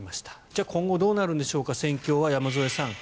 じゃあ、戦況は今後どうなるんでしょうか山添さん